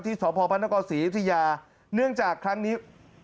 ที่สพศศิริยาเนื่องจากครั้งนี้